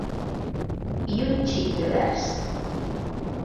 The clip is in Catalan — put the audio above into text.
I un xic de vers.